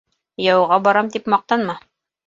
Яуға барам тип маҡтанма